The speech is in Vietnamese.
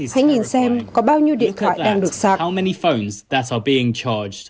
hãy nhìn xem có bao nhiêu điện thoại đang được sạch